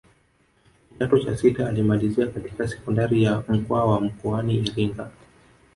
Kidato cha sita alimalizia katika sekondari ya Mkwawa mkoani Iringa